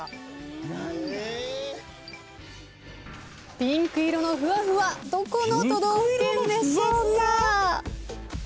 ピンク色のふわふわどこの都道府県でしょうか？